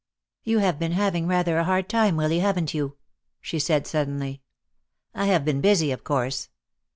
"You have been having rather a hard time, Willy, haven't you'?" she said, suddenly. "I have been busy, of course."